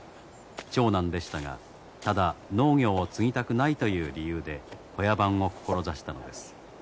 長男でしたがただ農業を継ぎたくないという理由で小屋番を志したのです。